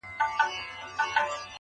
ډیري به واورو له منبره ستا د حورو کیسې-